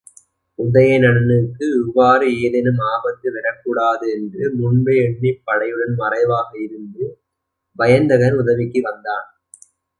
உதயணனுக்கு இவ்வாறு ஏதேனும் ஆபத்து வரக்கூடாது என்று முன்பே எண்ணிப் படையுடன் மறைவாக இருந்த வயந்தகன் உதவிக்கு வந்தான்.